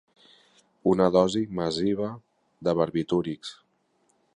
Una dosi massiva de barbitúrics.